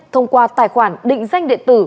thông qua tài khoản định danh điện tử